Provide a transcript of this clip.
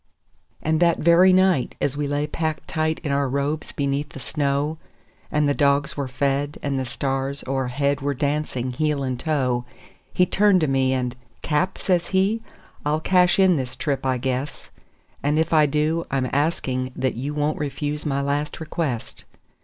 And that very night, as we lay packed tight in our robes beneath the snow, And the dogs were fed, and the stars o'erhead were dancing heel and toe, He turned to me, and "Cap," says he, "I'll cash in this trip, I guess; And if I do, I'm asking that you won't refuse my last request."